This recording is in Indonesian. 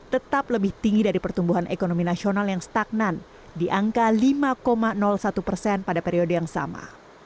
tetap lebih tinggi dari pertumbuhan ekonomi nasional yang stagnan di angka lima satu persen pada periode yang sama